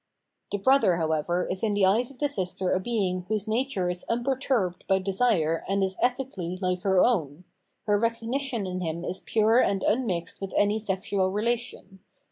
The brother, however, is in the eyes of the sister a being whose nature is unperturbed by desire and is ethically like her own ; her recognition in him is pure ^pd ipunixed with any sexual relation.